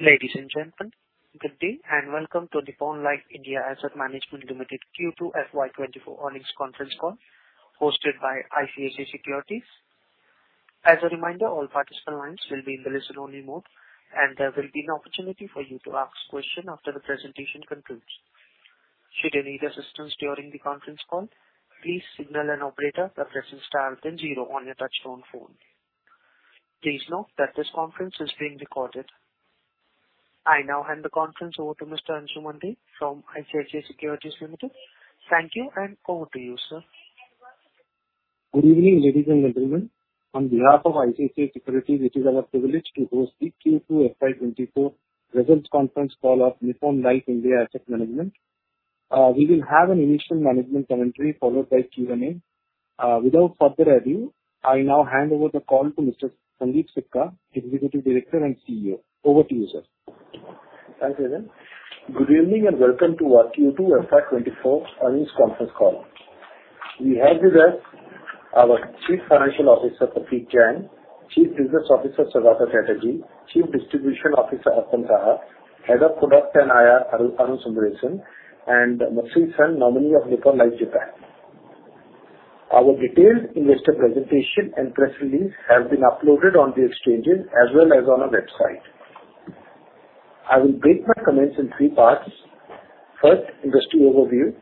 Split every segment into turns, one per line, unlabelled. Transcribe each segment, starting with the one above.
Ladies and gentlemen, good day, and welcome to the Nippon Life India Asset Management Limited Q2 FY 2024 earnings conference call hosted by ICICI Securities. As a reminder, all participant lines will be in the listen-only mode, and there will be an opportunity for you to ask questions after the presentation concludes. Should you need assistance during the conference call, please signal an operator by pressing star then zero on your touchtone phone. Please note that this conference is being recorded. I now hand the conference over to Mr. Ansuman Deb from ICICI Securities Limited. Thank you, and over to you, sir.
Good evening, ladies and gentlemen. On behalf of ICICI Securities, it is our privilege to host the Q2 FY 2024 results conference call of Nippon Life India Asset Management. We will have an initial management commentary followed by Q&A. Without further ado, I now hand over the call to Mr. Sundeep Sikka, Executive Director and CEO. Over to you, sir.
Thanks, again. Good evening, and welcome to our Q2 FY 2024 earnings conference call. We have with us our Chief Financial Officer, Prateek Jain; Chief Business Officer, Saugata Chatterjee; Chief Distribution Officer, Arpan Saha; Head of Product and IR, Arun Sundaresan; and Masashi-san, nominee of Nippon Life, Japan. Our detailed investor presentation and press release have been uploaded on the exchanges as well as on our website. I will break my comments in three parts. First, industry overview;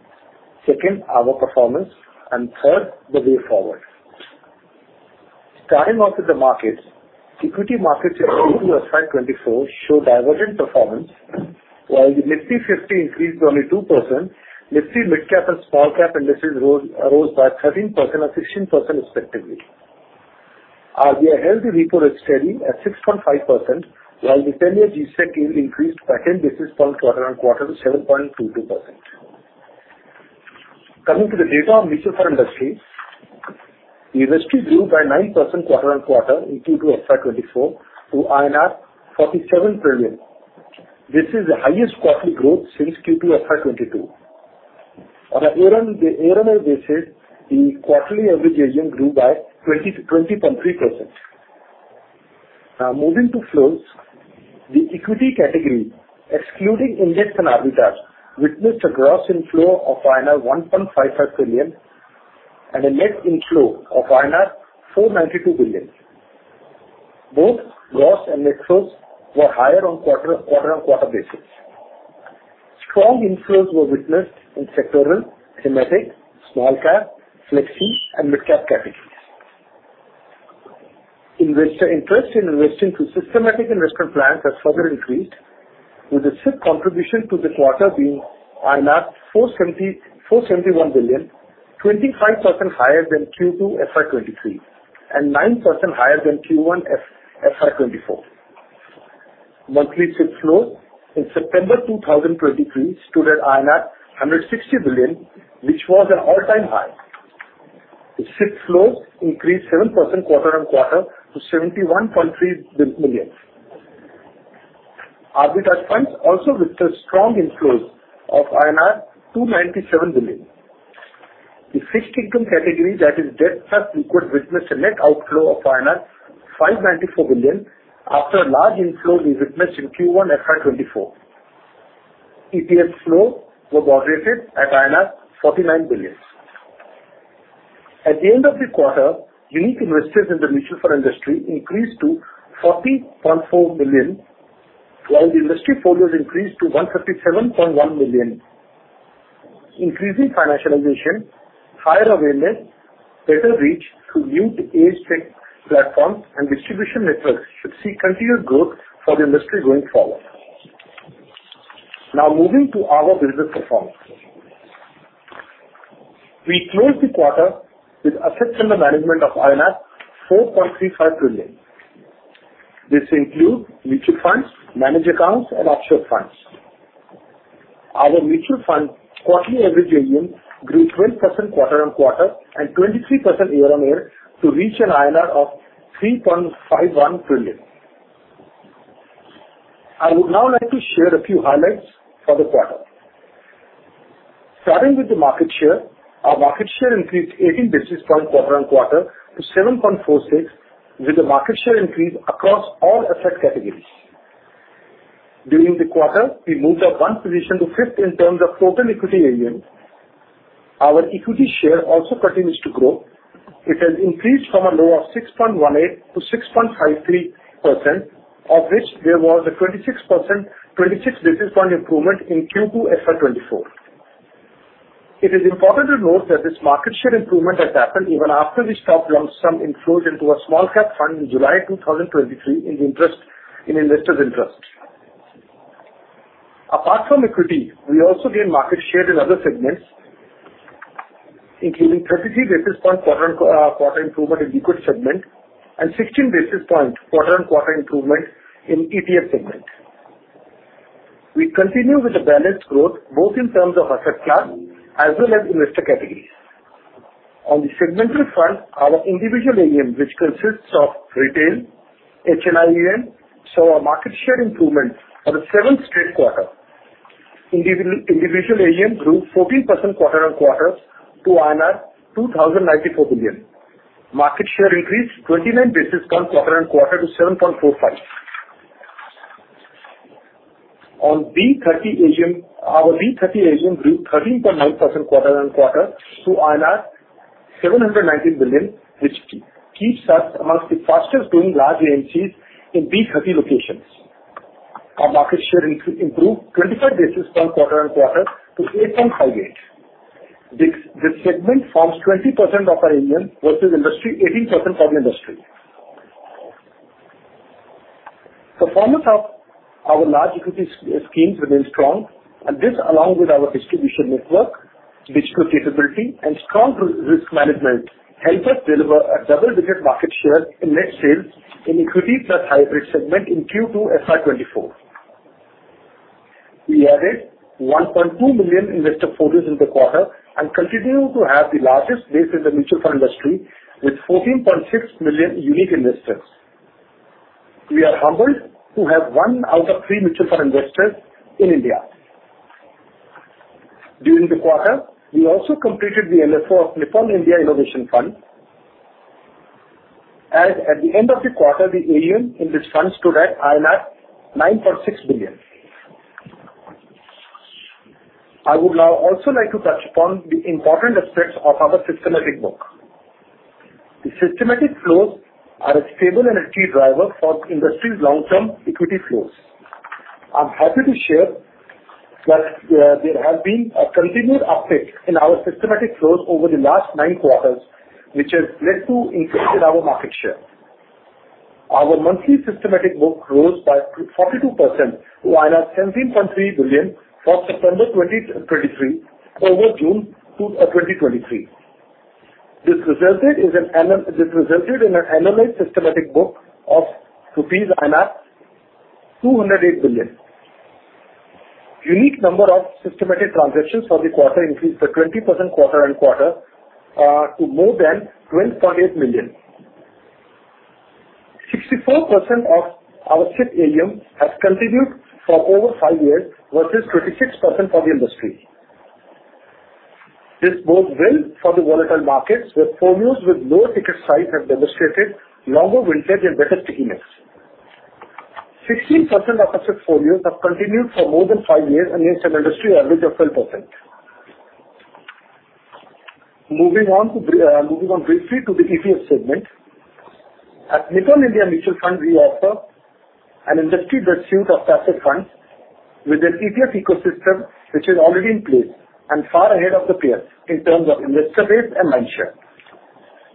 second, our performance; and third, the way forward. Starting off with the markets. Equity markets in Q2 FY 2024 show divergent performance, while the Nifty 50 increased only 2%, Nifty mid-cap and small-cap indices rose by 13% and 16% respectively. We have healthy repo rate steady at 6.5%, while the 10-year G-Sec yield increased by 10 basis points quarter-on-quarter to 7.22%. Coming to the data on mutual fund industry, the industry grew by 9% quarter-on-quarter in Q2 FY 2024 to INR 47 trillion. This is the highest quarterly growth since Q2 FY 2022. On a year-on-year basis, the quarterly average AUM grew by 20%-20.3%. Now moving to flows. The equity category, excluding index and arbitrage, witnessed a gross inflow of INR 1.55 trillion and a net inflow of INR 492 billion. Both gross and net flows were higher on quarter-on-quarter basis. Strong inflows were witnessed in sectoral, thematic, small-cap, flexi, and mid-cap categories. Investor interest in investing through systematic investment plans has further increased, with the SIP contribution to this quarter being 471 billion, 25% higher than Q2 FY 2023, and 9% higher than Q1 FY 2024. Monthly SIP flows in September 2023 stood at 160 billion, which was an all-time high. The SIP flows increased 7% quarter-on-quarter to 71.3 billion. Arbitrage funds also with the strong inflows of INR 297 billion. The fixed income category, that is debt plus liquid, witnessed a net outflow of 594 billion after a large inflow we witnessed in Q1 FY 2024. ETF flow was moderated at 49 billion. At the end of the quarter, unique investors in the mutual fund industry increased to 40.4 million, while the industry portfolios increased to 157.1 million. Increasing financialization, higher awareness, better reach to new age tech platforms and distribution networks should see continued growth for the industry going forward. Now moving to our business performance. We closed the quarter with assets under management of 4.35 trillion. This includes mutual funds, managed accounts and offshore funds. Our mutual fund quarterly average AUM grew 12% quarter-on-quarter and 23% year-on-year to reach an INR of 3.51 trillion. I would now like to share a few highlights for the quarter. Starting with the market share. Our market share increased 18 basis points quarter-on-quarter to 7.46, with the market share increase across all asset categories. During the quarter, we moved up one position to fifth in terms of total equity AUM. Our equity share also continues to grow. It has increased from a low of 6.18%-6.53%, of which there was a 26 basis point improvement in Q2 FY 2024. It is important to note that this market share improvement has happened even after we stopped lump sum inflows into our small cap fund in July 2023, in the interest, in investors' interest. Apart from equity, we also gained market share in other segments, including 33 basis point quarter-on-quarter improvement in liquid segment and 16 basis point quarter-on-quarter improvement in ETF segment. We continue with the balanced growth, both in terms of asset class as well as investor categories. On the segmental front, our individual AUM, which consists of retail, HNI AUM, saw a market share improvement for the seventh straight quarter. Individual AUM grew 14% quarter-on-quarter to INR 2,094 billion. Market share increased 29 basis points quarter-on-quarter to 7.45. On B30 AUM, our B30 AUM grew 13.9% quarter-on-quarter to 719 billion, which keeps us amongst the fastest growing large AMCs in B30 locations. Our market share improved 25 basis points quarter-on-quarter to 8.58. This segment forms 20% of our AUM versus industry, 18% for the industry. Performance of our large equity schemes remains strong, and this, along with our distribution network, digital capability, and strong risk management, helped us deliver a double-digit market share in net sales in equity plus hybrid segment in Q2 FY2024. We added 1.2 million investor portfolios in the quarter and continue to have the largest base in the mutual fund industry, with 14.6 million unique investors. We are humbled to have one out of three mutual fund investors in India. During the quarter, we also completed the NFO of Nippon India Innovation Fund. At the end of the quarter, the AUM in this fund stood at INR 9.6 billion. I would now also like to touch upon the important aspects of our systematic book. The systematic flows are a stable and key driver for industry's long-term equity flows. I'm happy to share that there has been a continued uptick in our systematic flows over the last nine quarters, which has led to increased our market share. Our monthly systematic book grows by 42% to 17.3 billion for September 2023 over June 2023. This resulted in an annual systematic book of 208 billion. Unique number of systematic transactions for the quarter increased by 20% quarter-on-quarter to more than 12.8 million. 64% of our SIP AUM has continued for over five years versus 36% for the industry. This bodes well for the volatile markets, where portfolios with lower ticket size have demonstrated longer vintage and better stickiness. 60% of our SIP portfolios have continued for more than five years and against an industry average of 12%. Moving on briefly to the ETF segment. At Nippon India Mutual Fund, we offer an industry suite of passive funds with an ETF ecosystem which is already in place and far ahead of the peers in terms of investor base and mind share.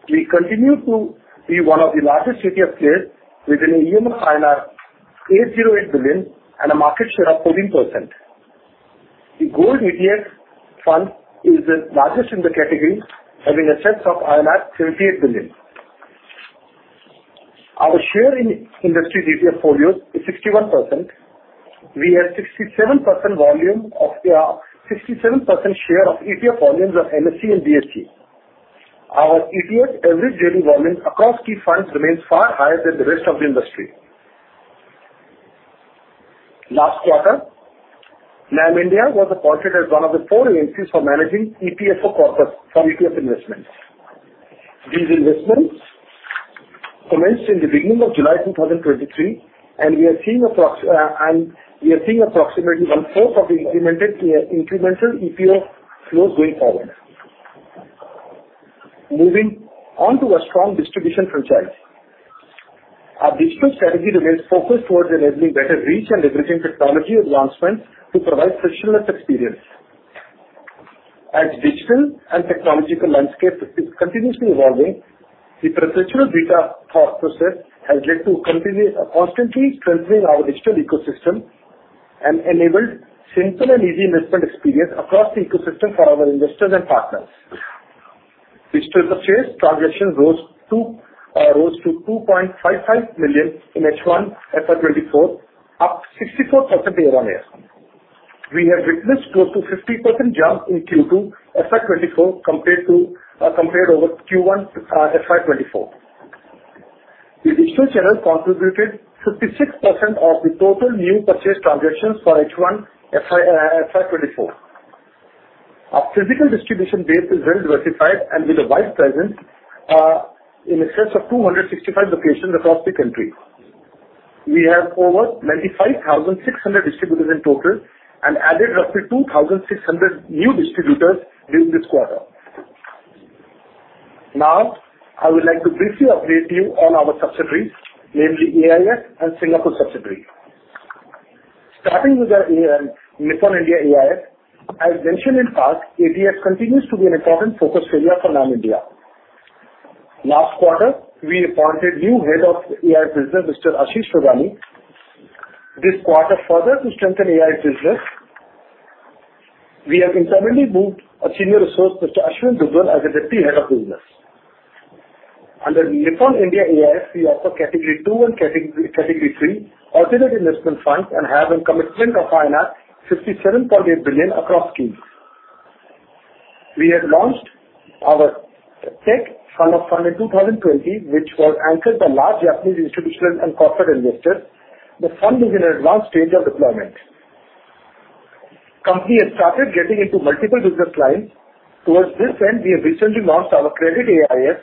We continue to be one of the largest ETF players with an AUM of 808 billion and a market share of 14%. The Gold ETF fund is the largest in the category, having assets of 38 billion. Our share in industry ETF portfolios is 61%. We have 67% volume of, 67% share of ETF volumes on NSE and BSE. Our ETF average daily volume across key funds remains far higher than the rest of the industry. Last quarter, NAM India was appointed as one of the four AMCs for managing EPFO corpus for ETF investments. These investments commenced in the beginning of July 2023, and we are seeing approx, and we are seeing approximately one fourth of the implemented, incremental ETF flows going forward. Moving on to our strong distribution franchise. Our digital strategy remains focused towards enabling better reach and leveraging technology advancements to provide frictionless experience. As digital and technological landscape is continuously evolving, the perpetual beta thought process has led to continue, constantly strengthening our digital ecosystem and enabled simple and easy investment experience across the ecosystem for our investors and partners. Digital purchase transactions rose to 2.55 million in H1 FY 2024, up 64% year-on-year. We have witnessed close to 50% jump in Q2 FY 2024 compared to Q1 FY 2024. The digital channel contributed 56% of the total new purchase transactions for H1 FY 2024. Our physical distribution base is well diversified and with a wide presence in excess of 265 locations across the country. We have over 95,600 distributors in total and added roughly 2,600 new distributors during this quarter. Now, I would like to briefly update you on our subsidiaries, namely AIF and Singapore subsidiary. Starting with our AUM, Nippon India AIF, as mentioned in past, AIF continues to be an important focus area for NAM India. Last quarter, we appointed new head of AIF business, Mr. Ashish Chugani. This quarter, further to strengthen AIF business, we have internally moved a senior resource, Mr. Ashwin Bijral, as a deputy head of business. Under Nippon India AIF, we offer Category II and Category III alternative investment funds and have a commitment of 57.8 billion across schemes. We had launched our Tech Fund of Fund in 2020, which was anchored by large Japanese institutional and corporate investors. The fund is in an advanced stage of deployment. Company has started getting into multiple business lines. Towards this end, we have recently launched our credit AIF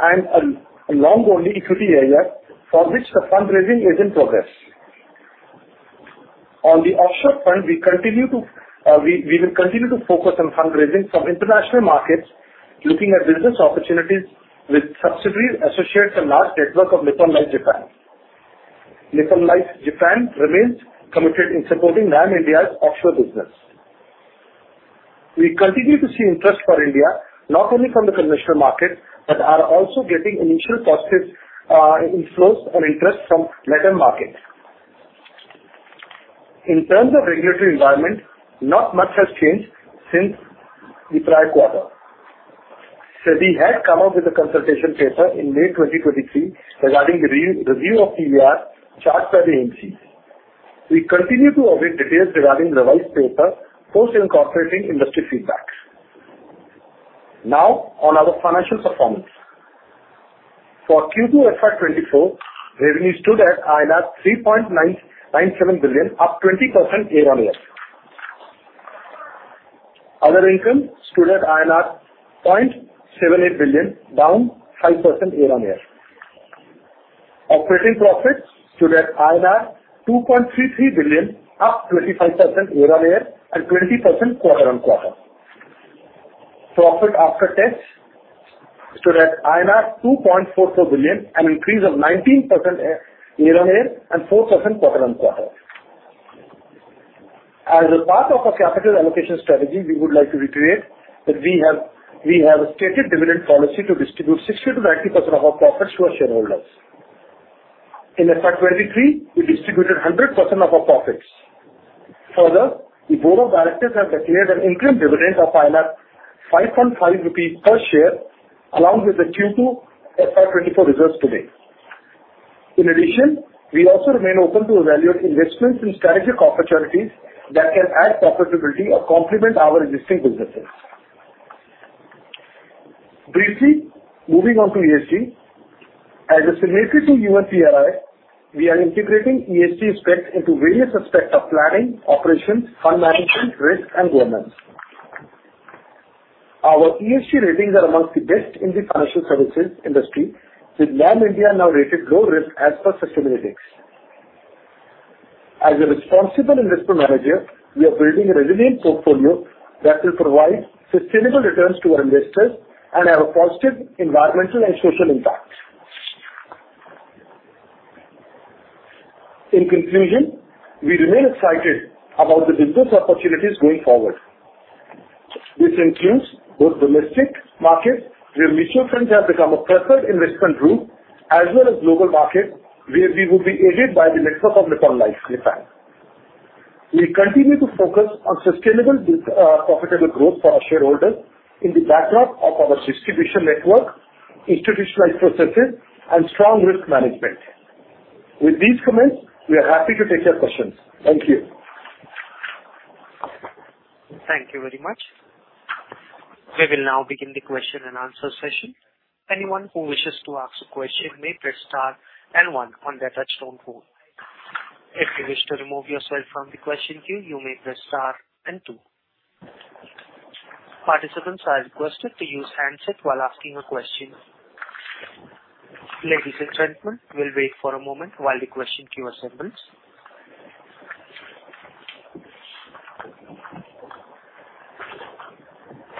and a long-only equity AIF, for which the fundraising is in progress. On the offshore front, we continue to, we will continue to focus on fundraising from international markets, looking at business opportunities with subsidiaries, associates, and large network of Nippon Life Japan. Nippon Life Japan remains committed in supporting NAM India's offshore business. We continue to see interest for India, not only from the conventional market, but are also getting initial positive, inflows and interest from MENA markets. In terms of regulatory environment, not much has changed since the prior quarter. So we had come up with a consultation paper in May 2023 regarding the re-review of the TER charged by the AMC. We continue to await details regarding the revised paper post incorporating industry feedback. Now, on our financial performance. For Q2 FY 2024, revenue stood at INR 3.97 billion, up 20% year-on-year. Other income stood at INR 0.78 billion, down 5% year-on-year. Operating profits stood at INR 2.33 billion, up 25% year-on-year and 20% quarter-on-quarter. Profit after tax stood at INR 2.44 billion, an increase of 19% year-on-year and 4% quarter-on-quarter. As a part of our capital allocation strategy, we would like to reiterate that we have, we have a stated dividend policy to distribute 60%-90% of our profits to our shareholders. In FY 2023, we distributed 100% of our profits. Further, the board of directors have declared an interim dividend of 5.5 rupees per share, along with the Q2 FY 2024 results today. In addition, we also remain open to evaluate investments in strategic opportunities that can add profitability or complement our existing businesses. Briefly, moving on to ESG. As a signatory to UNPRI, we are integrating ESG aspects into various aspects of planning, operations, fund management, risk, and governance. Our ESG ratings are among the best in the financial services industry, with NAM India now rated low risk as per Sustainalytics. As a responsible investment manager, we are building a resilient portfolio that will provide sustainable returns to our investors and have a positive environmental and social impact. In conclusion, we remain excited about the business opportunities going forward. This includes both domestic markets, where mutual funds have become a preferred investment group, as well as global markets, where we will be aided by the network of Nippon Life Japan. We continue to focus on sustainable, profitable growth for our shareholders in the backdrop of our distribution network, institutionalized processes, and strong risk management. With these comments, we are happy to take your questions. Thank you.
Thank you very much. We will now begin the question and answer session. Anyone who wishes to ask a question may press star and one on their touch-tone phone. If you wish to remove yourself from the question queue, you may press star and two. Participants are requested to use handset while asking a question. Ladies and gentlemen, we'll wait for a moment while the question queue assembles.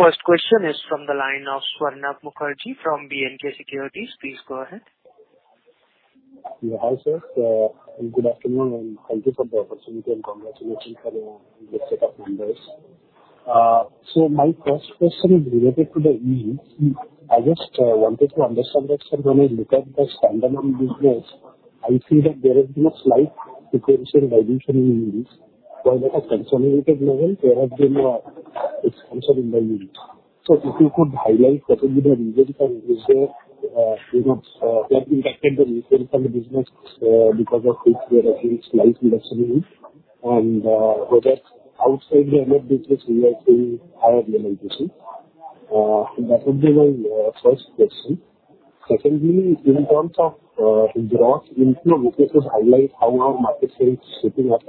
First question is from the line of Swarnabha Mukherjee from B&K Securities. Please go ahead.
Hi, sir. Good afternoon, and thank you for the opportunity, and congratulations on your set of numbers. So my first question is related to the yields. I just wanted to understand that, sir, when I look at the standalone business, I see that there has been a slight decrease in valuation in yields, while at a consolidated level, there has been a expansion in the yield. So if you could highlight possibly the reasons and is there, you know, like impact on the business, because of which there is a slight reduction in yield? And, whether outside the MF business, we are seeing higher realization. That would be my first question. Secondly, in terms of gross inflows, could you just highlight how our market share is shaping up?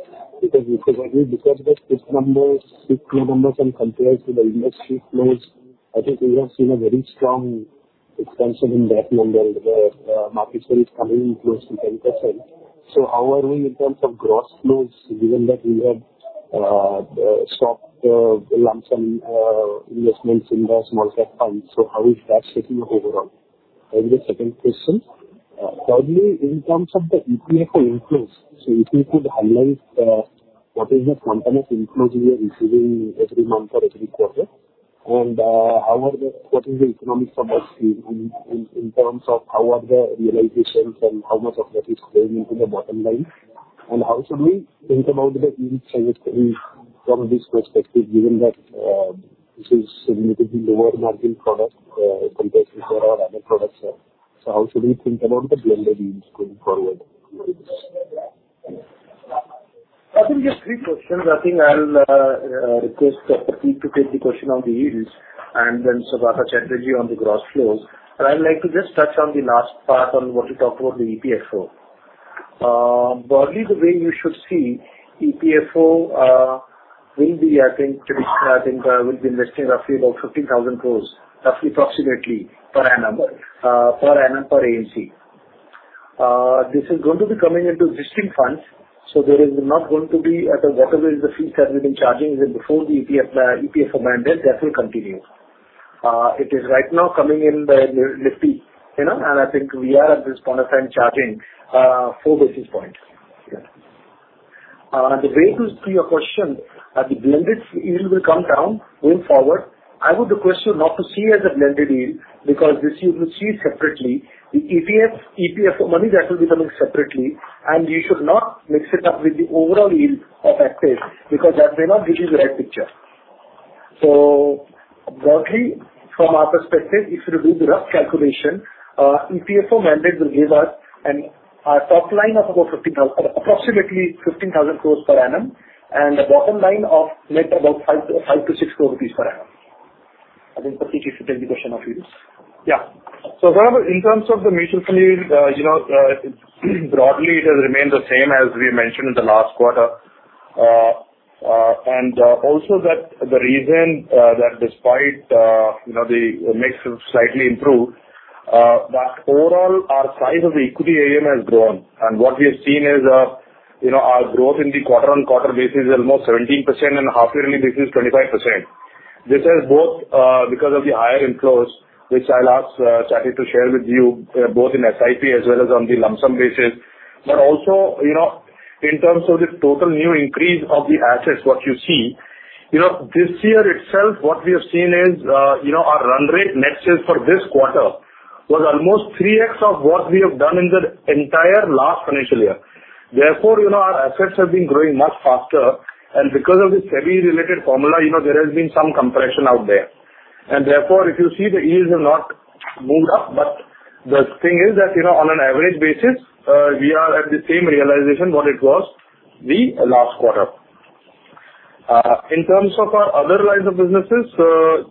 Because the switch numbers, switch numbers when compared to the industry flows, I think we have seen a very strong expansion in that number. The market share is coming close to 10%. How are we in terms of gross flows, given that we have stopped lump sum investments in the small cap funds? How is that shaping up overall? That is the second question. Thirdly, in terms of the equity inflows, if you could highlight what is the quantum of inflows we are receiving every month or every quarter? What is the economic surplus in terms of how are the realizations and how much of that is flowing into the bottom line? How should we think about the yield change from this perspective, given that this is significantly lower margin product, compared to our other products? How should we think about the blended yields going forward?...
I think just three questions. I think I'll request Prateek to take the question on the yields, and then Saugata Chatterjee on the gross flows. But I would like to just touch on the last part on what you talked about the EPFO. Broadly, the way you should see, EPFO will be, I think, I think, will be investing roughly about 15,000 crore, approximately per annum, per annum, per AMC. This is going to be coming into existing funds, so there is not going to be at whatever is the fees that we've been charging before the ETF, EPF mandate, that will continue. It is right now coming in the Nifty, you know, and I think we are at this point of time charging four basis points. Yeah. The way to see your question, the blended yield will come down going forward. I would request you not to see as a blended yield, because this you will see separately. The ETF, EPF money, that will be coming separately, and you should not mix it up with the overall yield of AUM, because that may not give you the right picture. So broadly, from our perspective, if you do the rough calculation, EPFO mandate will give us a top line of about 15,000 crore per annum, and a bottom line of net about 5 crore-6 crore rupees per annum. I think Prateek should take the question of yields.
Yeah. So whatever, in terms of the mutual fund, you know, broadly, it has remained the same as we mentioned in the last quarter. and also that the reason that despite you know the mix has slightly improved that overall our size of the equity AM has grown. And what we have seen is you know our growth in the quarter-on-quarter basis is almost 17% and half-yearly basis 25%. This is both because of the higher inflows which I'll ask Satya to share with you both in SIP as well as on the lump sum basis. But also you know in terms of the total new increase of the assets what you see you know this year itself what we have seen is you know our run rate next year for this quarter was almost 3x of what we have done in the entire last financial year. Therefore, you know, our assets have been growing much faster, and because of the SEBI formula, you know, there has been some compression out there. And therefore, if you see, the yields have not moved up. But the thing is that, you know, on an average basis, we are at the same realization what it was the last quarter. In terms of our other lines of businesses,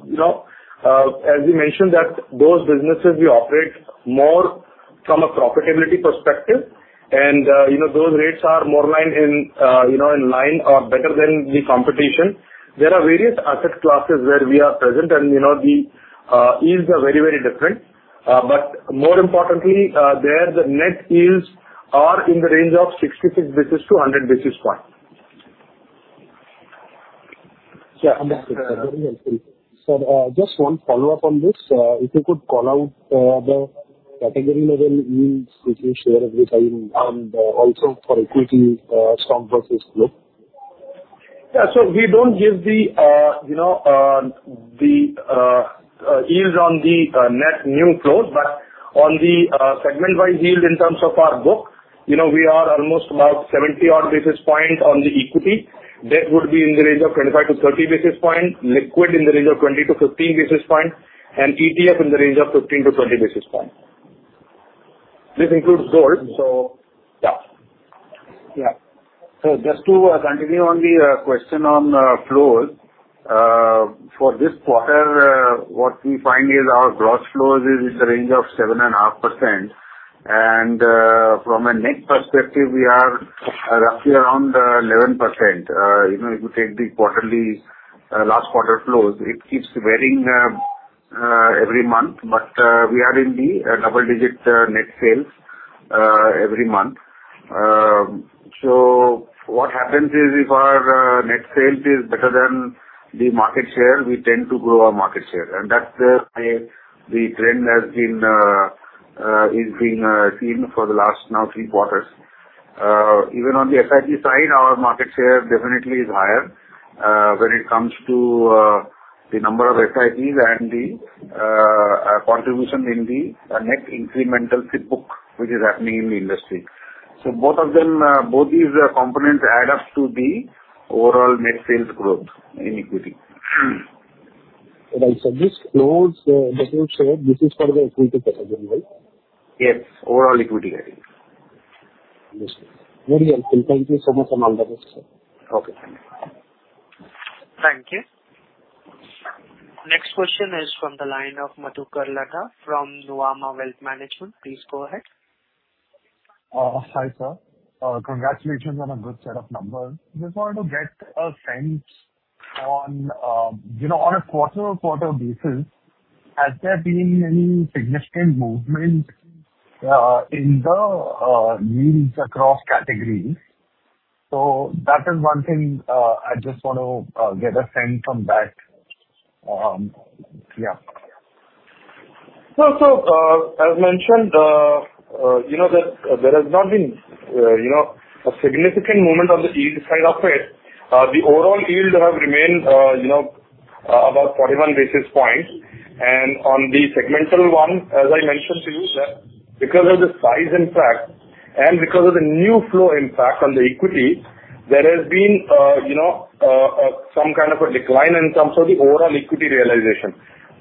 you know, as we mentioned, that those businesses we operate more from a profitability perspective, and, you know, those rates are more in line, you know, in line or better than the competition. There are various asset classes where we are present, and, you know, the, yields are very, very different. But more importantly, there, the net yields are in the range of 66-100 basis points.
Yeah, very helpful. Sir, just one follow-up on this. If you could call out the category level yields, which you share every time, and also for equity, stock versus flow.
Yeah. So we don't give the, you know, the yields on the net new flows, but on the segment-wide yield in terms of our book, you know, we are almost about 70 basis points on the equity. Debt would be in the range of 25-30 basis points, liquid in the range of 20-15 basis points, and ETF in the range of 15-20 basis points. This includes gold, so yeah. Yeah. So just to continue on the question on flows. For this quarter, what we find is our gross flows is in the range of 7.5%. From a net perspective, we are roughly around 11%. You know, if you take the quarterly last quarter flows, it keeps varying every month, but we are in the double-digit net sales every month. So what happens is, if our net sales is better than the market share, we tend to grow our market share, and that's why the trend has been is being seen for the last now three quarters. Even on the SIP side, our market share definitely is higher when it comes to the number of SIPs and the contribution in the net incremental SIP book, which is happening in the industry. So both of them, both these components add up to the overall net sales growth in equity.
But I said, this close, that you said, this is for the equity category, right?
Yes, overall equity category.
Yes. Very helpful. Thank you so much for sir.
Okay, thank you.
Thank you. Next question is from the line of Madhukar Ladha from Nuvama Wealth Management. Please go ahead.
Hi, sir. Congratulations on a good set of numbers. Just wanted to get a sense on, you know, on a quarter-on-quarter basis, has there been any significant movement in the yields across categories? So that is one thing, I just want to get a sense on that. Yeah.
No. So, as mentioned, you know that there has not been a significant movement on the yield side of it. The overall yield have remained, you know, about 41 basis points. And on the segmental one, as I mentioned to you, sir, because of the size impact and because of the new flow impact on the equity, there has been, you know, some kind of a decline in terms of the overall equity realization.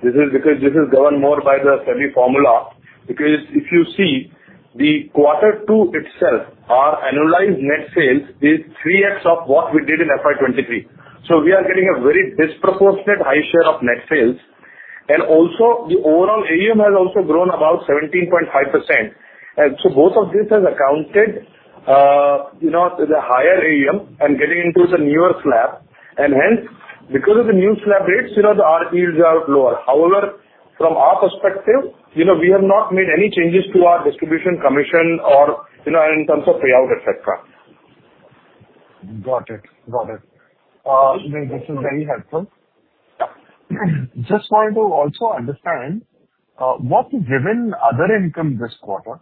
This is because this is governed more by the SEBI formula, because if you see. The quarter two itself, our annualized net sales is 3x of what we did in FY 2023. So we are getting a very disproportionate high share of net sales, and also the overall AUM has also grown about 17.5%. So both of these has accounted, you know, to the higher AUM and getting into the newer slab. And hence, because of the new slab rates, you know, the our yields are lower. However, from our perspective, you know, we have not made any changes to our distribution commission or, you know, in terms of payout, et cetera.
Got it. Got it. This is very helpful.
Yeah.
Just wanted to also understand, what driven other income this quarter?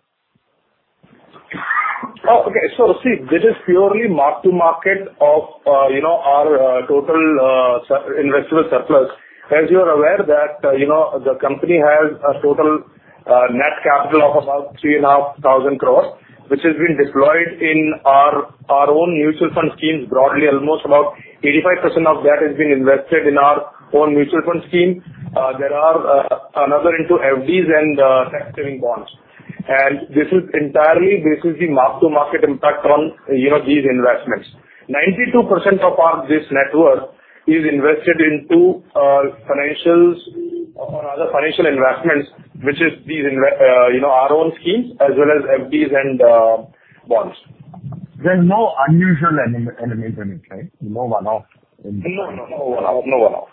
Oh, okay. So see, this is purely mark-to-market of, you know, our total invested surplus. As you are aware that, you know, the company has a total net capital of about 3,500 crore, which has been deployed in our own mutual fund schemes. Broadly, almost about 85% of that has been invested in our own mutual fund scheme. There are another into FDs and tax saving bonds. And this is entirely, this is the mark-to-market impact on, you know, these investments. 92% of our this net worth is invested into financials or other financial investments, which is these invest, you know, our own schemes as well as FDs and bonds.
There's no unusual anomalies in it, right? No one-off?
No, no, no one-off. No one-off.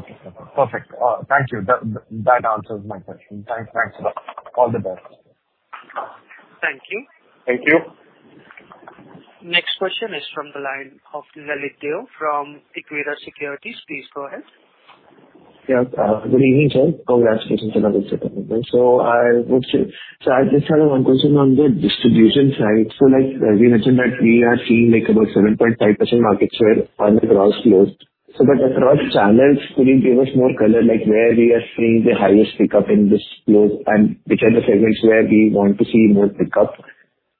Okay. Perfect. Thank you. That, that answers my question. Thanks. Thanks a lot. All the best.
Thank you.
Thank you.
Next question is from the line of Lalit Deo from Equirus Securities. Please go ahead.
Yeah. Good evening, sir. Congratulations on So I would say... So I just had one question on the distribution side. So like we mentioned, that we are seeing, like, about 7.5% market share on the gross flows. So but across channels, could you give us more color, like where we are seeing the highest pickup in this flow? And which are the segments where we want to see more pickup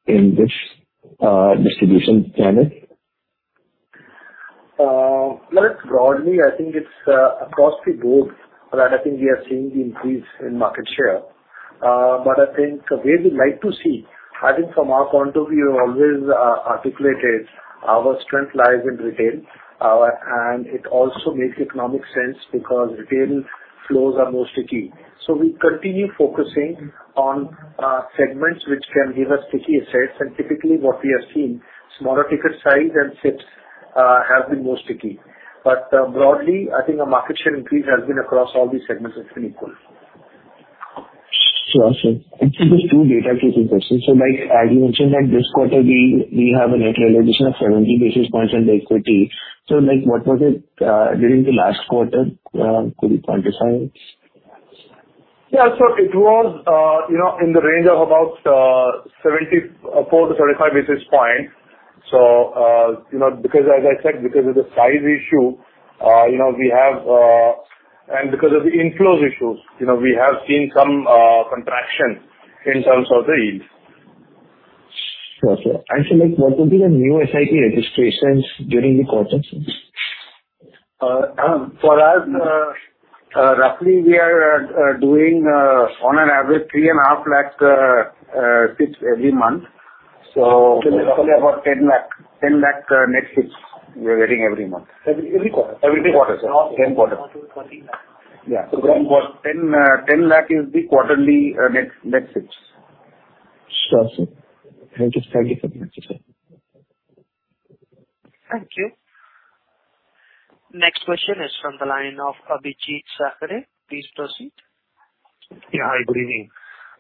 in which distribution channel?
Well, broadly, I think it's across the board that I think we are seeing the increase in market share. But I think where we like to see, I think from our point of view, always, articulated our strength lies in retail. And it also makes economic sense because retail flows are more sticky. So we continue focusing on segments which can give us sticky assets. And typically what we have seen, smaller ticket size and SIPs, have been more sticky. But, broadly, I think our market share increase has been across all these segments. It's been equal.
Sure, sure. And just two data pieces. So, like, as you mentioned, that this quarter we have a net realization of 70 basis points on the equity. So, like, what was it during the last quarter, could you quantify it?
Yeah. So it was, you know, in the range of about 74-75 basis points. So, you know, because as I said, because of the size issue, you know, we have... and because of the inflows issues, you know, we have seen some contraction in terms of the yield.
Sure, sir. And so, like, what would be the new SIP registrations during the quarter, sir?
For us, roughly, we are doing, on average, 3.5 lakh SIPs every month. Roughly about 1,000,000, 1,000,000 net SIPs we are getting every month.
Every, every quarter.
Every quarter, sir. 10 quarter.
Yeah. Ten lakh is the quarterly, net, net SIPs.
Sure, sir. Thank you. Thank you for the answer, sir.
Thank you. Next question is from the line of Abhijeet Sakhare. Please proceed.
Yeah. Hi, good evening.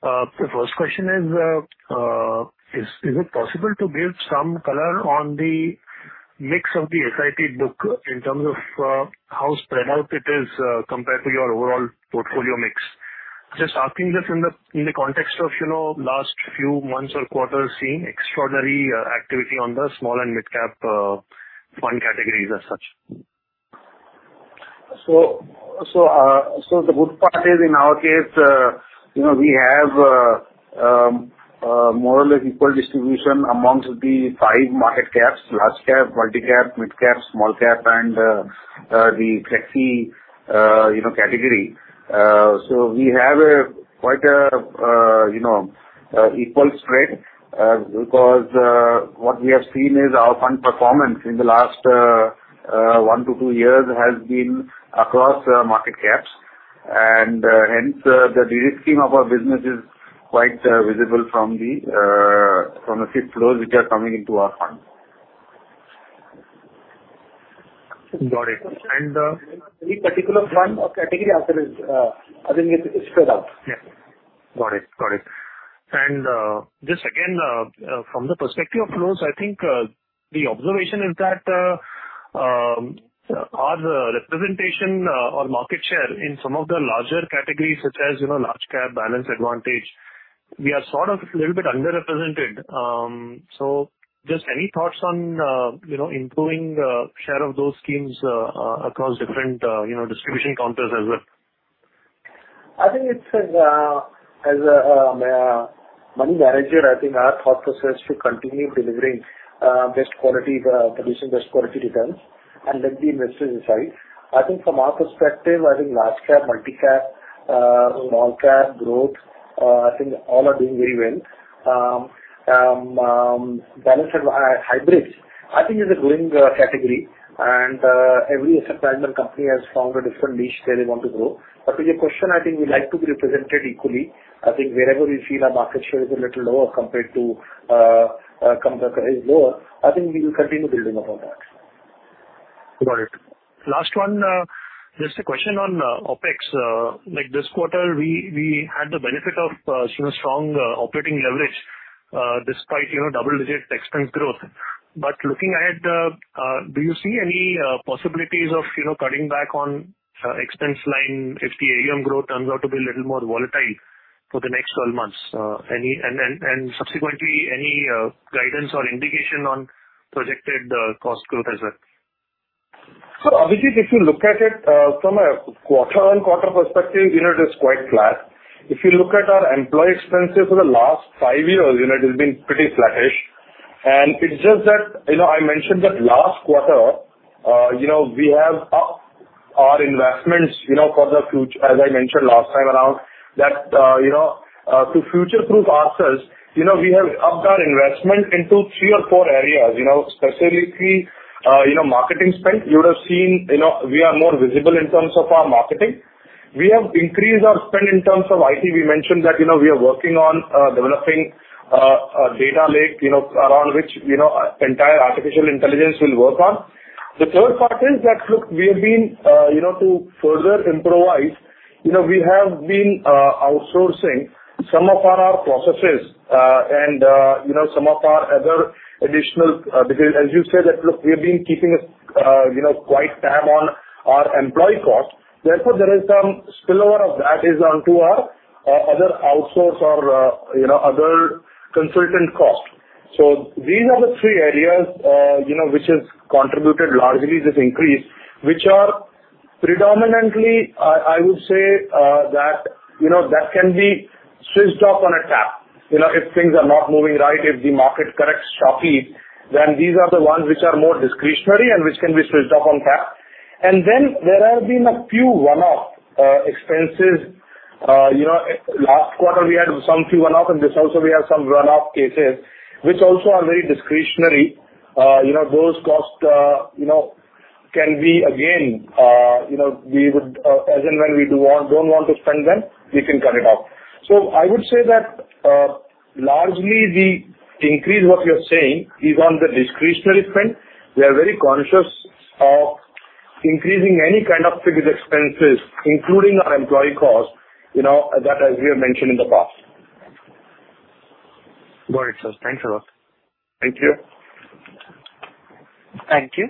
The first question is, is it possible to give some color on the mix of the SIP book in terms of, how spread out it is, compared to your overall portfolio mix? Just asking this in the context of, you know, last few months or quarters, seeing extraordinary activity on the small and mid-cap fund categories as such.
So the good part is, in our case, you know, we have more or less equal distribution amongst the five market caps: large cap, multi cap, mid cap, small cap, and the flexi, you know, category. So we have quite a, you know, equal spread, because what we have seen is our fund performance in the last one-two years has been across market caps. And hence, the de-risking of our business is quite visible from the SIPS flows which are coming into our fund.
Got it. And,
Any particular fund or category, after it, I think it's spread out.
Yeah. Got it. Got it. And, just again, from the perspective of flows, I think, the observation is that, our representation, or market share in some of the larger categories, such as, you know, large cap, balanced advantage, we are sort of a little bit underrepresented. So just any thoughts on, you know, improving the share of those schemes, across different, you know, distribution counters as well?
I think it's as a money manager, I think our thought process to continue delivering best quality, producing best quality returns and let the investors decide. I think from our perspective, I think large cap, multi-cap, small cap, growth, I think all are doing very well. Balanced hybrids, I think is a growing category, and every asset management company has found a different niche where they want to grow. But to your question, I think we like to be represented equally. I think wherever we feel our market share is a little lower compared to competitor is lower, I think we will continue building upon that.
Got it. Last one, just a question on OpEx. Like this quarter, we had the benefit of, you know, strong operating leverage, despite, you know, double-digit expense growth. But looking ahead, do you see any possibilities of, you know, cutting back on expense line if the AUM growth turns out to be a little more volatile for the next 12 months? And subsequently, any guidance or indication on projected cost growth as well?
Abhijit, if you look at it, you know, from a quarter-on-quarter perspective, it is quite flat. If you look at our employee expenses for the last five years, you know, it has been pretty flattish. It's just that, you know, I mentioned that last quarter, you know, we have upped our investments, you know, for the fut- as I mentioned last time around, that, you know, to future-proof ourselves, you know, we have upped our investment into three or four areas, you know, specifically, you know, marketing spend. You would have seen, you know, we are more visible in terms of our marketing. We have increased our spend in terms of IT. We mentioned that, you know, we are working on developing a data lake, you know, around which, you know, entire artificial intelligence will work on. The third part is that, look, we have been, you know, to further improvise, you know, we have been, outsourcing some of our processes, and, you know, some of our other additional. Because as you said, that, look, we have been keeping, you know, close tab on our employee cost. Therefore, there is some spillover of that is onto our, other outsourcing or, you know, other consultant cost. So these are the three areas, you know, which has contributed largely this increase, which are predominantly, I would say, that, you know, that can be switched off on a tap. You know, if things are not moving right, if the market corrects sharply, then these are the ones which are more discretionary and which can be switched off on tap. And then there have been a few one-off expenses. You know, last quarter, we had some few one-off, and this also we have some run-off cases, which also are very discretionary. You know, those costs, you know, can be again, you know, we would, as and when we do want-- don't want to spend them, we can cut it off. So I would say that, largely the increase, what you're saying, is on the discretionary spend. We are very conscious of increasing any kind of fixed expenses, including our employee cost, you know, that as we have mentioned in the past.
Got it, sir. Thanks a lot.
Thank you.
Thank you.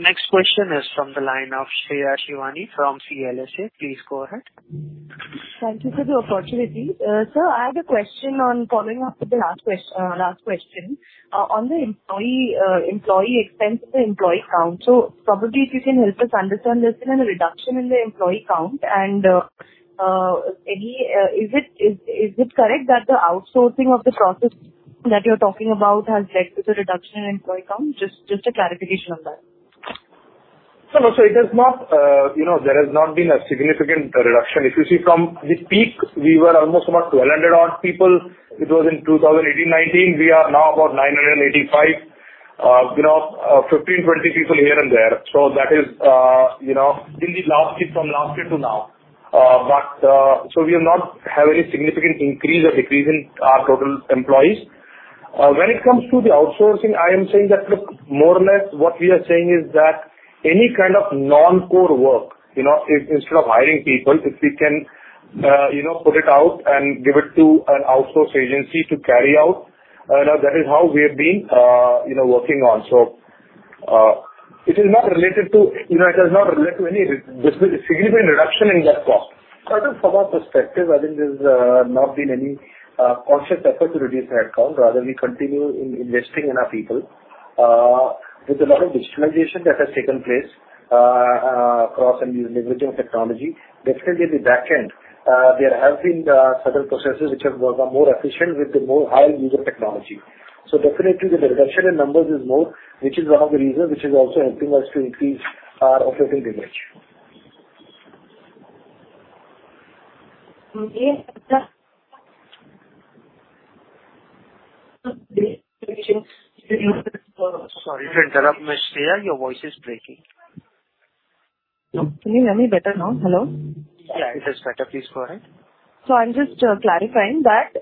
Next question is from the line of Shreya Shivani from CLSA. Please go ahead.
Thank you for the opportunity. Sir, I had a question on following up with the last question on the employee expense and the employee count. So probably if you can help us understand, there's been a reduction in the employee count, and... Is it correct that the outsourcing of the process that you're talking about has led to the reduction in employee count? Just a clarification on that.
So no, so it has not, you know, there has not been a significant reduction. If you see from the peak, we were almost about 1,200 odd people. It was in 2018, 2019. We are now about 985. You know, 15, 20 people here and there. So that is, you know, in the last year, from last year to now. But, so we have not have any significant increase or decrease in our total employees. When it comes to the outsourcing, I am saying that, look, more or less, what we are saying is that any kind of non-core work, you know, instead of hiring people, if we can, you know, put it out and give it to an outsource agency to carry out, that is how we have been, you know, working on. So, it is not related to, you know, it is not related to any significant reduction in that cost. I think from our perspective, I think there's not been any conscious effort to reduce head count. Rather, we continue investing in our people, with a lot of digitalization that has taken place, across and leveraging technology. Definitely the back end, there have been certain processes which have become more efficient with the more high use of technology. Definitely the reduction in numbers is more, which is one of the reasons which is also helping us to increase our operating leverage.
Okay, but,
Sorry to interrupt, Ms. Shreya, your voice is breaking.
Can you hear me better now? Hello.
Yeah, it is better. Please go ahead.
I'm just clarifying that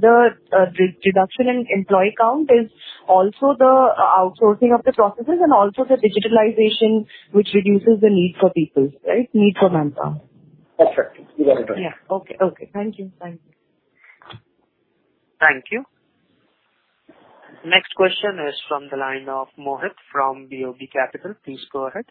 the reduction in employee count is also the outsourcing of the processes and also the digitalization, which reduces the need for people, right? Need for manpower.
That's right. You got it right.
Yeah. Okay. Okay. Thank you. Thank you.
Thank you. Next question is from the line of Mohit from BOB Capital. Please go ahead.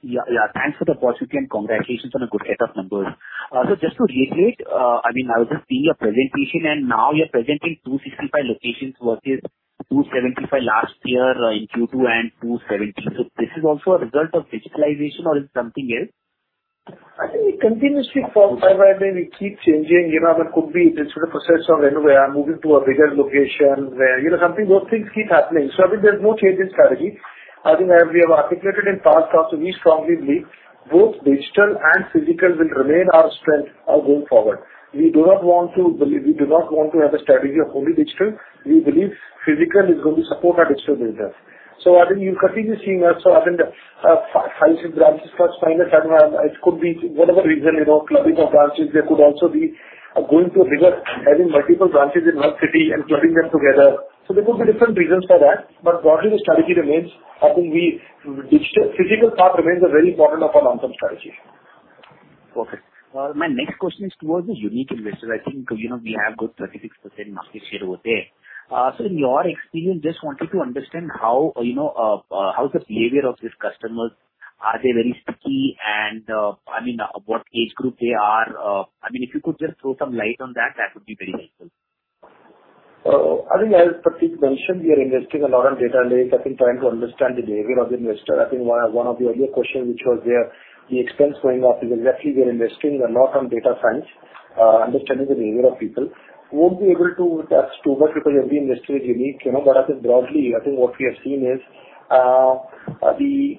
Yeah, yeah, thanks for the opportunity, and congratulations on a good set of numbers. So just to reiterate, I mean, I was just seeing your presentation, and now you're presenting 265 locations versus 275 last year in Q2 and 270. So this is also a result of digitization or it's something else? ...
I think it continuously from time to time, it keeps changing. You know, there could be this sort of process of anywhere moving to a bigger location, where, you know, something, those things keep happening. So I think there's no change in strategy. I think as we have articulated in past also, we strongly believe both digital and physical will remain our strength, going forward. We do not want to believe-- We do not want to have a strategy of only digital. We believe physical is going to support our digital business. So I think you've continuously seen us, so I think, five, five branches plus minus, and, it could be whatever reason, you know, clubbing of branches. There could also be going to reverse, having multiple branches in one city and clubbing them together. There could be different reasons for that, but broadly the strategy remains. I think we, digital-- physical part remains a very important of our long-term strategy.
Perfect. My next question is towards the unique investors. I think, you know, we have about 36% market share over there. So in your experience, just wanted to understand how, you know, how the behavior of these customers, are they very sticky? And, I mean, what age group they are. I mean, if you could just throw some light on that, that would be very helpful.
I think as Prateek mentioned, we are investing a lot on data lakes. I've been trying to understand the behavior of the investor. I think one, one of the earlier question, which was there, the expense going up is exactly we are investing a lot on data science, understanding the behavior of people. Won't be able to attest to much because every industry is unique, you know, but I think broadly, I think what we have seen is, the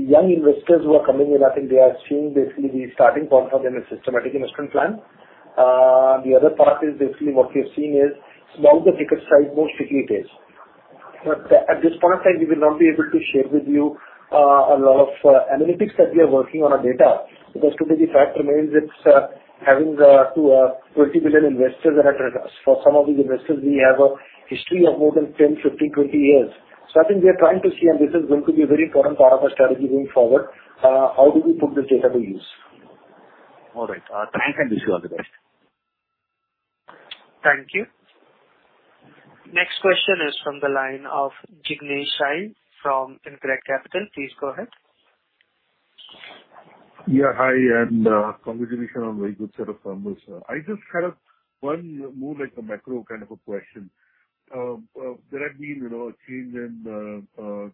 young investors who are coming in, I think they are seeing basically the starting point for them is systematic investment plan. The other part is basically what we are seeing is, smaller the ticket size, more sticky it is. But at this point of time, we will not be able to share with you a lot of analytics that we are working on a data, because today the fact remains it's having 20 million investors that are with us. For some of these investors, we have a history of more than 10, 15, 20 years. So I think we are trying to see, and this is going to be a very important part of our strategy going forward, how do we put this data to use?
All right. Thanks, and wish you all the best.
Thank you. Next question is from the line of Jignesh Shial from InCred Capital. Please go ahead.
Yeah, hi, and congratulations on very good set of numbers. I just kind of one more like a macro kind of a question. There have been, you know, a change in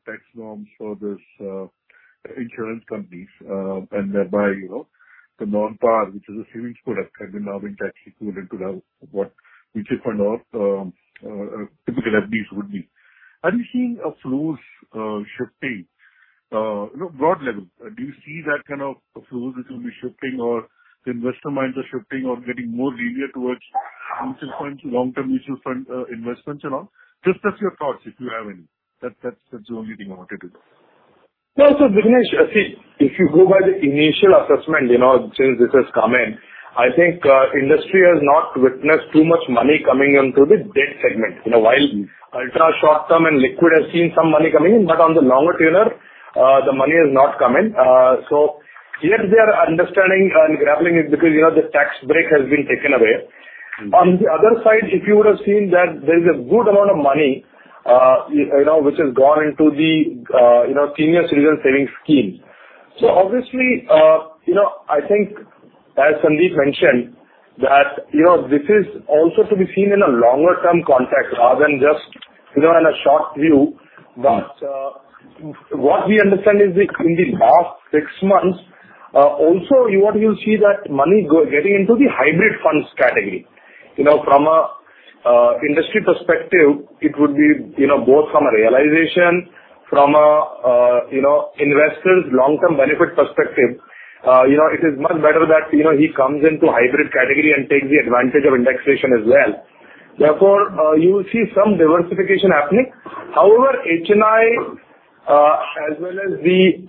tax norms for this insurance companies, and thereby, you know, the non-par, which is a savings product, have been now been tax included to the, what, which is kind of typical FDs would be. Are you seeing a flows shifting? You know, broad level, do you see that kind of flows which will be shifting or investor minds are shifting or getting more linear towards mutual funds, long-term mutual fund investments and all? Just as your thoughts, if you have any. That's, that's, that's the only thing I wanted to know.
Well, so Jignesh, see, if you go by the initial assessment, you know, since this has come in, I think, industry has not witnessed too much money coming into the debt segment. You know, while ultra short-term and liquid has seen some money coming in, but on the longer tenure, the money has not come in. So yes, they are understanding and grappling it because, you know, the tax break has been taken away. On the other side, if you would have seen that there is a good amount of money, you know, which has gone into the, you know, Senior Citizen Savings Scheme. So obviously, you know, I think as Sandeep mentioned, that, you know, this is also to be seen in a longer-term context rather than just, you know, in a short view. But, what we understand is that in the last six months, also you what you'll see that money getting into the hybrid funds category. You know, from a industry perspective, it would be, you know, both from a realization, from a, you know, investors long-term benefit perspective, you know, it is much better that, you know, he comes into hybrid category and takes the advantage of indexation as well. Therefore, you will see some diversification happening. However, HNI, as well as the,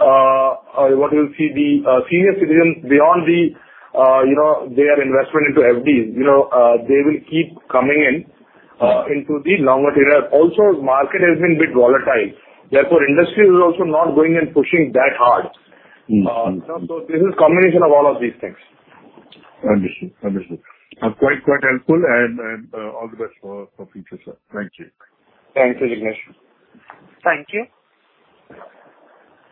what you'll see, the, senior citizens beyond the, you know, their investment into FDs, you know, they will keep coming in, into the longer tenure. Also, market has been bit volatile. Therefore, industry is also not going and pushing that hard.
Mm-hmm.
This is combination of all of these things.
Understood. Understood. Quite, quite helpful and, and, all the best for, for future, sir. Thank you.
Thanks, Jignesh.
Thank you.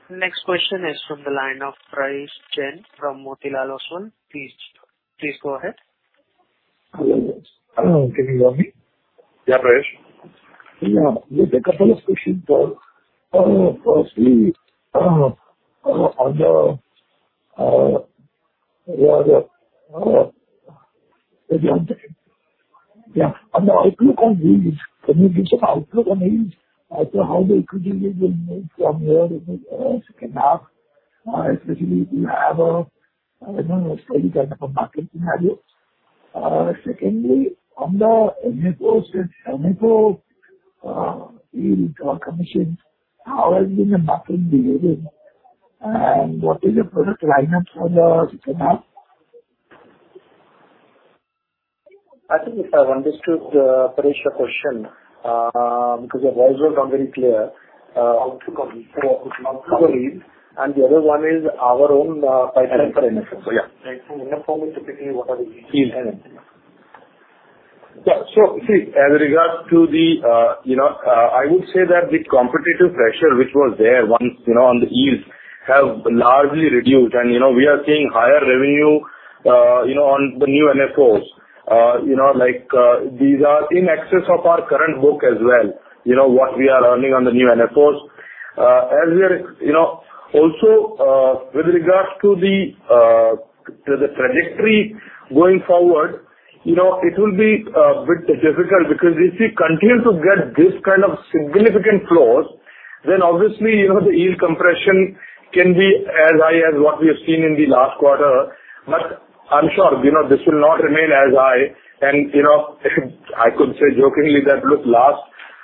Next question is from the line of Prayesh Jain from Motilal Oswal. Please, please go ahead.
Hello, can you hear me?
Yeah, Praesh.
Yeah. Firstly, can you give some outlook on yields as to how the equity yields will move from here in the second half, especially if you have a, you know, a steady kind of a market scenario? Secondly, on the NFOs and MFO yield commission, and what is your product lineup for the second half?
I think if I understood, Prateek, your question, because your voice was not very clear. Outlook on yields. Outlook on yields, and the other one is our own pipeline for NFO. Yeah, for NFO, typically what are the yields?
Yeah. So, see, as regards to the, you know, I would say that the competitive pressure, which was there once, you know, on the yields, have largely reduced. And, you know, we are seeing higher revenue, you know, on the new NFOs, you know, like, these are in excess of our current book as well, you know, what we are earning on the new NFOs. As we are, you know, also, with regards to the, to the trajectory going forward, you know, it will be a bit difficult, because if we continue to get this kind of significant flows, then obviously, you know, the yield compression can be as high as what we have seen in the last quarter. But I'm sure, you know, this will not remain as high and, you know, I could say jokingly that, look, last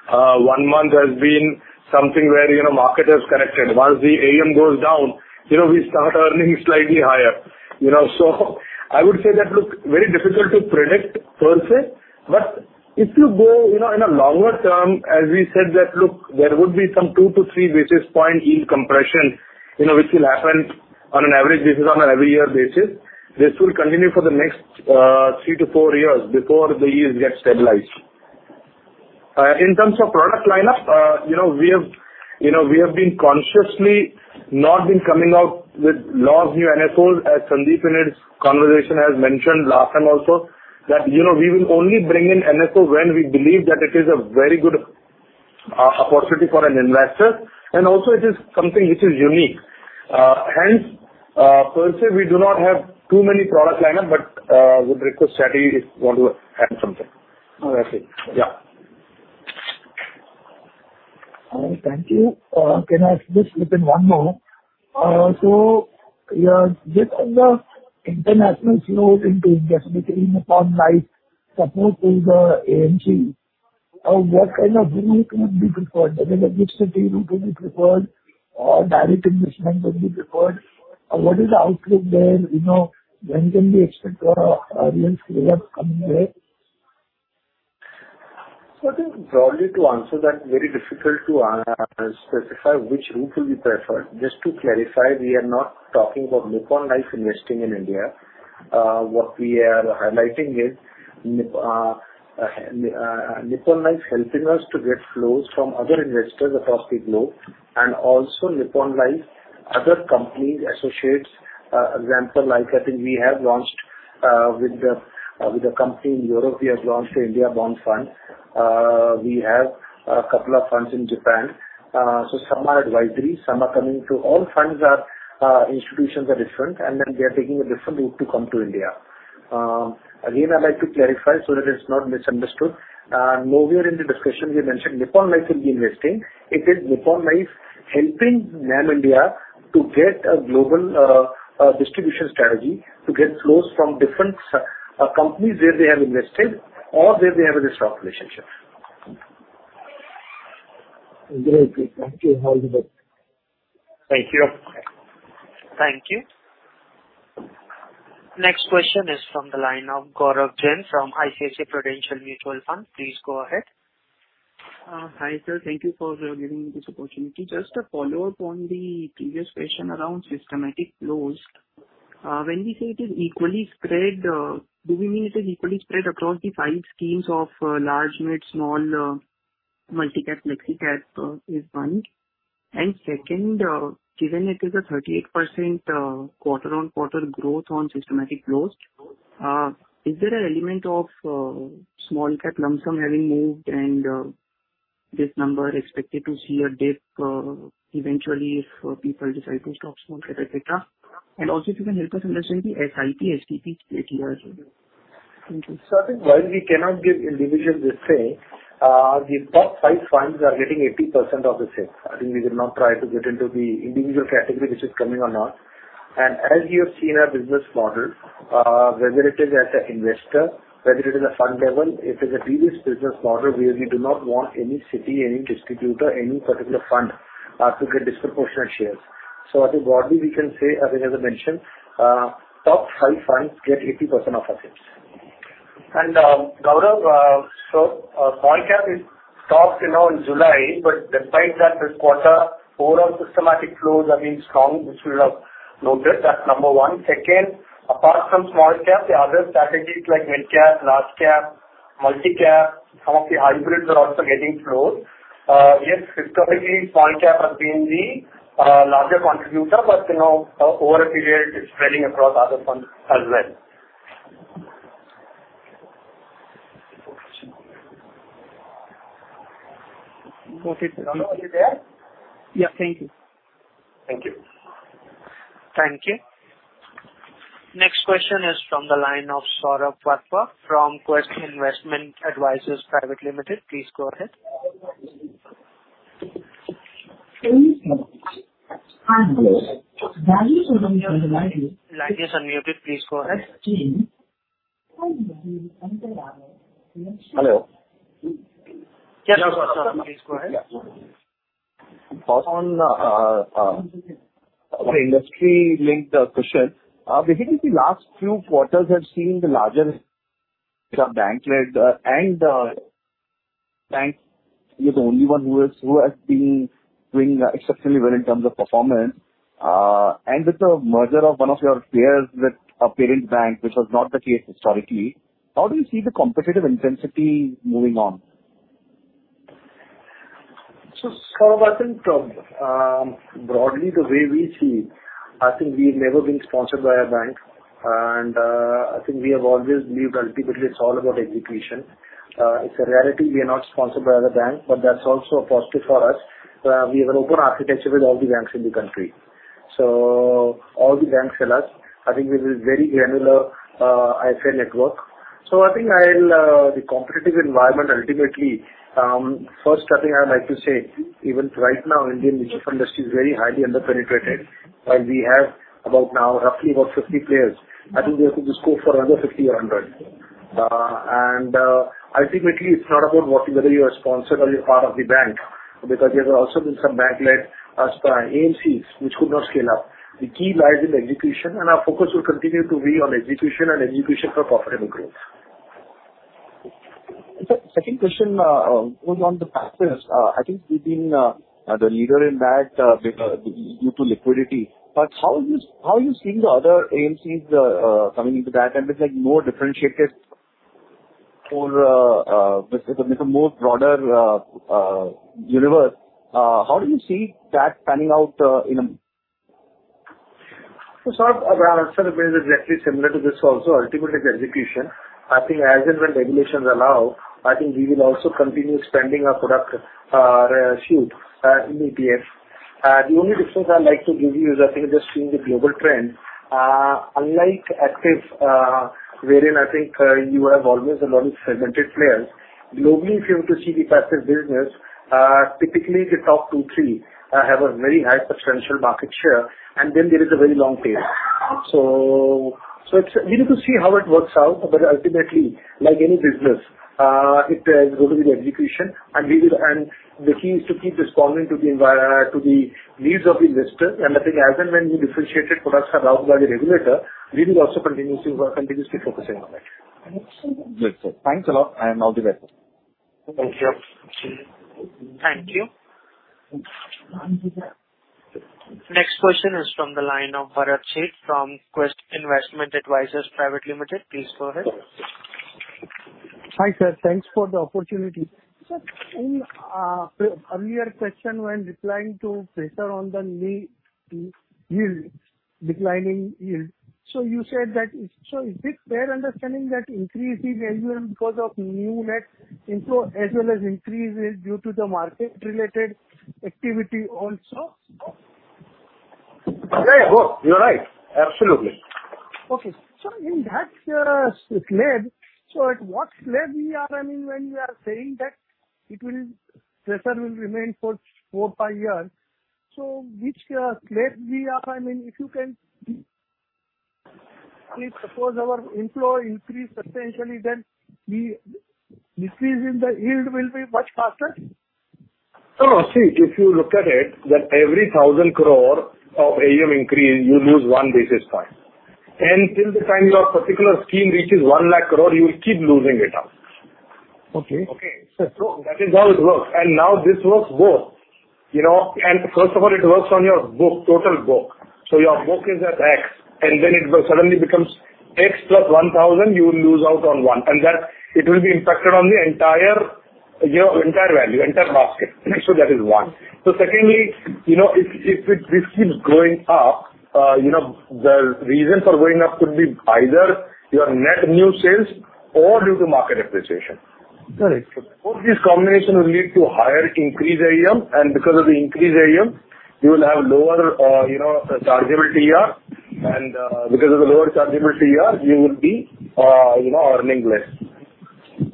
one month has been something where, you know, market has corrected. Once the AM goes down, you know, we start earning slightly higher, you know. So I would say that, look, very difficult to predict per se, but if you go, you know, in a longer term, as we said that, look, there would be some 2-3 basis point in compression, you know, which will happen on an average basis, on an every year basis. This will continue for the next three-four years before the years get stabilized. In terms of product lineup, you know, we have, you know, we have been consciously not been coming out with large new NFOs, as Sundeep in his conversation has mentioned last time also, that, you know, we will only bring in NFO when we believe that it is a very good, opportunity for an investor, and also it is something which is unique. Hence, per se, we do not have too many product lineup, but, would request Satya if you want to add something.
No, that's it.
Yeah.
Thank you. Can I just slip in one more? So yeah, just on the international flow into India, between Nippon Life support to the AMC, what kind of route would be preferred? Whether a mixed route will be preferred or direct investment will be preferred, or what is the outlook there? You know, when can we expect our audience coming there?
So I think broadly, to answer that, very difficult to specify which route will be preferred. Just to clarify, we are not talking about Nippon Life investing in India. What we are highlighting is Nippon Life helping us to get flows from other investors across the globe, and also Nippon Life, other companies, associates, example, like, I think we have launched, with the company in Europe, we have launched India Bond Fund. We have a couple of funds in Japan. So some are advisory, some are coming to... All funds are, institutions are different, and then they are taking a different route to come to India. Again, I'd like to clarify so that it's not misunderstood. Nowhere in the discussion we mentioned Nippon Life will be investing. It is Nippon Life helping NAM India to get a global, distribution strategy to get flows from different, companies where they have invested or where they have a risk of relationship.
Great. Thank you. All the best.
Thank you.
Thank you. Next question is from the line of Gaurav Jain from ICICI Prudential Mutual Fund. Please go ahead.
Hi, sir. Thank you for giving me this opportunity. Just a follow-up on the previous question around systematic flows. When we say it is equally spread, do we mean it is equally spread across the five schemes of, large, mid, small, multi-cap, flexi-cap, is one? And second, given it is a 38%, quarter-over-quarter growth on systematic flows, is there an element of, small cap lump sum having moved and, this number expected to see a dip, eventually if people decide to stop small, et cetera? And also, if you can help us understand the SIP STP split here as well. Thank you.
So I think while we cannot give individual this say, the top five funds are getting 80% of the sales. I think we will not try to get into the individual category, which is coming or not. And as you have seen our business model, whether it is as an investor, whether it is a fund level, it is a previous business model where we do not want any city, any distributor, any particular fund, to get disproportionate shares. So I think broadly we can say, as I mentioned, top five funds get 80% of our sales. And, Gaurav, so, small cap is topped, you know, in July, but despite that, this quarter, more of systematic flows are being strong. This we have noted. That's number one. Second, apart from small cap, the other strategies like mid cap, large cap, multi-cap, some of the hybrids are also getting flows. Yes, historically, small cap has been the larger contributor, but you know, over a period, it's spreading across other funds as well.
Okay.
Gaurav, are you there?
Yeah. Thank you.
Thank you.
Thank you. Next question is from the line of Saurabh Patwa from Quest Investment Advisors Private Limited. Please go ahead. Line is unmuted. Please go ahead.
Hello?
Yes, Saurabh, please go ahead.
Yeah.
On an industry-linked question. Within the last few quarters, I've seen the larger bank-led and bank is the only one who has been doing exceptionally well in terms of performance, and with the merger of one of your peers with a parent bank, which was not the case historically, how do you see the competitive intensity moving on?...
So, Saurabh, I think, broadly, the way we see, I think we've never been sponsored by a bank, and, I think we have always believed ultimately it's all about execution. It's a reality we are not sponsored by other bank, but that's also a positive for us. We have an open architecture with all the banks in the country. So all the banks sell us. I think this is very granular, I say, network. So I think I'll, the competitive environment ultimately, first, I think I would like to say, even right now, Indian mutual fund industry is very highly under-penetrated. While we have about now roughly about 50 players, I think we have to just go for another 50 or 100. Ultimately, it's not about whether you are sponsored or you're part of the bank, because there have also been some bank-led AMCs which could not scale up. The key lies in the execution, and our focus will continue to be on execution and execution for profitable growth.
Sir, second question, on the passive. I think we've been the leader in that, because due to liquidity, but how are you seeing the other AMCs coming into that? And it's, like, more differentiated for, with a more broader universe. How do you see that panning out, in a-
So, Saurabh, our answer is exactly similar to this also, ultimately the execution. I think as and when regulations allow, I think we will also continue expanding our product suite in ETF. The only difference I'd like to give you is I think just seeing the global trend, unlike active, wherein I think you have always a lot of segmented players. Globally, if you were to see the passive business, typically the top two, three have a very high substantial market share, and then there is a very long tail. So it's... We need to see how it works out, but ultimately, like any business, it goes with the execution, and we will and the key is to keep responding to the needs of the investor. I think as and when new differentiated products are allowed by the regulator, we will also continuously focusing on it.
Thanks a lot. Thanks a lot. I am all the best.
Thank you.
Thank you. Next question is from the line of Bharat Sheth from Quest Investment Advisors Pvt Ltd. Please go ahead.
Hi, sir. Thanks for the opportunity. Sir, in earlier question, when replying to pressure on the net yield, declining yield, so you said that... So is it fair understanding that increase in AUM because of new net inflow as well as increases due to the market-related activity also?
Yeah, yeah, both. You're right. Absolutely.
Okay. So in that slab, so at what slab we are—I mean, when we are saying that it will, pressure will remain for four-five years, so which slab we are? I mean, if you can... If suppose our inflow increase substantially, then the decrease in the yield will be much faster?
No, see, if you look at it, that every 1,000 crore of AUM increase, you lose 1 basis point. And till the time your particular scheme reaches 1,00,000 crore, you will keep losing it out.
Okay.
Okay? So that is how it works. And now this works both, you know, and first of all, it works on your book, total book. So your book is at X, and then it suddenly becomes X + 1,000, you will lose out on one, and that it will be impacted on the entire, your entire value, entire basket. So that is one. So secondly, you know, if this keeps going up, you know, the reasons for going up could be either your net new sales or due to market appreciation.
Got it.
Both these combinations will lead to higher increase AUM, and because of the increased AUM, you will have lower, you know, chargeable TER, and, you know, because of the lower chargeable TER, you will be, you know, earning less.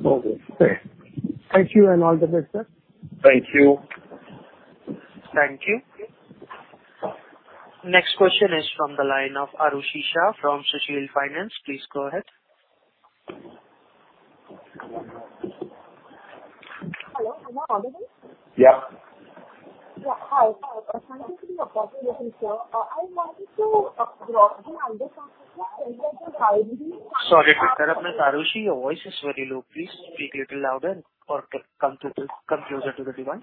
Okay. Thank you and all the best, sir.
Thank you.
Thank you. Next question is from the line of Arushi Shah from Sushil Finance. Please go ahead.
Hello, am I audible?
Yeah.
Yeah. Hi.
Sorry, Arushi, your voice is very low. Please speak little louder or come close, come closer to the device.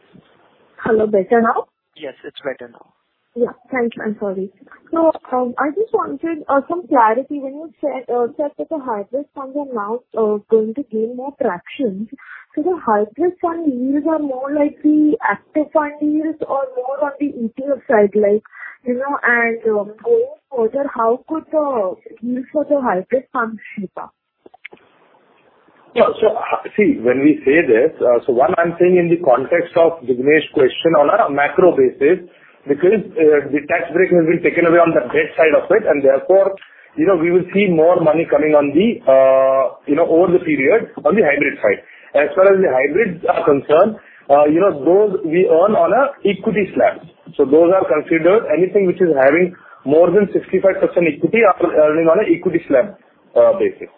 Hello, better now?
Yes, it's better now.
Yeah. Thanks. I'm sorry. So, I just wanted some clarity. When you said that the hybrid funds are now going to gain more traction, so the hybrid fund yields are more like the active fund yields or more on the ETF side, like, you know, and going further, how could the yields for the hybrid funds shape up?
Yeah. So, see, when we say this, so one, I'm saying in the context of Dinesh's question on a macro basis, because the tax break has been taken away on the debt side of it, and therefore, you know, we will see more money coming on the, you know, over the period on the hybrid side. As far as the hybrids are concerned, you know, those we earn on a equity slab. So those are considered anything which is having more than 65% equity are earning on a equity slab basis.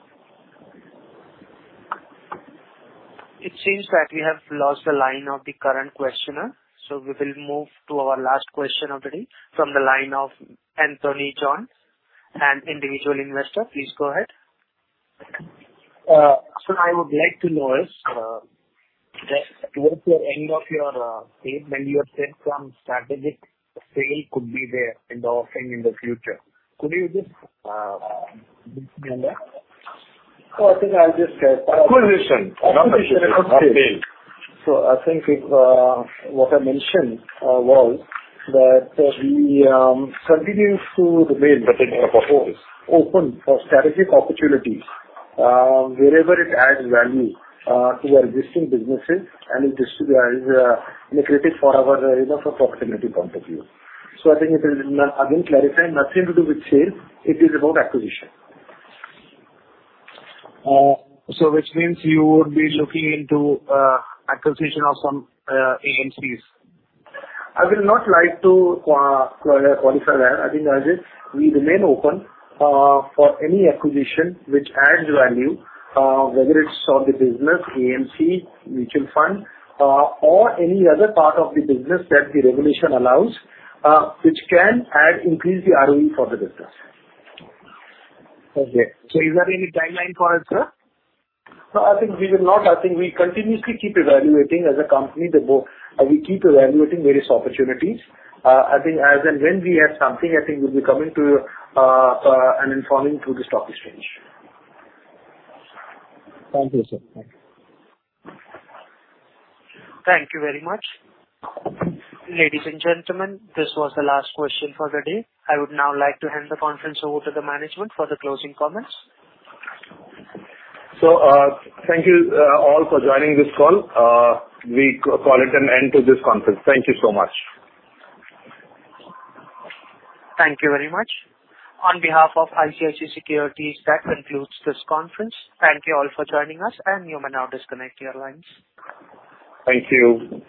It seems that we have lost the line of the current questioner, so we will move to our last question of the day from the line of Anthony John, an individual investor. Please go ahead.
So I would like to know is, just towards the end of your, when you have said some strategic sale could be there in the offering in the future, could you just explain that?...
So I think I'll just get acquisition. So I think if what I mentioned was that we continue to remain open for strategic opportunities wherever it adds value to our existing businesses and it is lucrative for our, you know, for profitability point of view. So I think it is, again, clarifying nothing to do with sales, it is about acquisition.
So which means you would be looking into acquisition of some AMCs?
I will not like to qualify that. I think I just, we remain open for any acquisition which adds value whether it's for the business, AMC, mutual fund or any other part of the business that the regulation allows which can add, increase the ROE for the business.
Okay. Is there any timeline for it, sir?
No, I think we will not. I think we continuously keep evaluating as a company, the more we keep evaluating various opportunities. I think as and when we have something, I think we'll be coming to you, and informing through the stock exchange.
Thank you, sir.
Thank you very much. Ladies and gentlemen, this was the last question for the day. I would now like to hand the conference over to the management for the closing comments.
Thank you, all for joining this call. We call it an end to this conference. Thank you so much.
Thank you very much. On behalf of ICICI Securities, that concludes this conference. Thank you all for joining us, and you may now disconnect your lines.
Thank you.